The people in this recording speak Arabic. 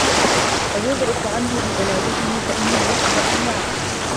أَوْ يَضْعُفُ عَنْهُ بِبَلَادَتِهِ فَإِنَّهُ أَرْوَحُ لِلْعَالِمِ